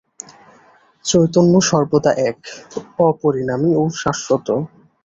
চৈতন্য সর্বদা এক, অপরিণামী ও শাশ্বত।